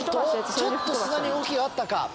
ちょっと砂に動きがあったか。